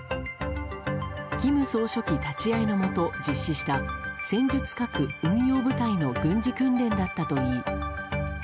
金総書記立ち合いのもと実施した戦術核運用部隊の軍事訓練だったといい